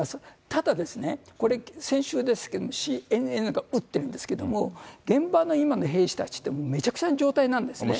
ただですね、これ、先週ですけれども、ＣＮＮが打ってるんですけれども、現場の今の兵士たちって、めちゃくちゃな状態なんですね。